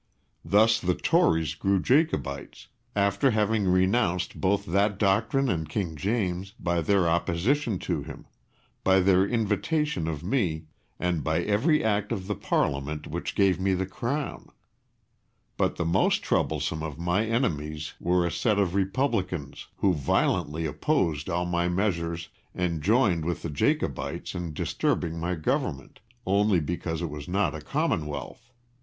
Thus the Tories grew Jacobites, after having renounced both that doctrine and King James, by their opposition to him, by their invitation of me, and by every Act of the Parliament which gave me the Crown. But the most troublesome of my enemies were a set of Republicans, who violently opposed all my measures, and joined with the Jacobites in disturbing my government, only because it was not a commonwealth.